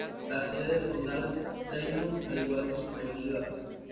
La sede del condado es Seymour, al igual que su mayor ciudad.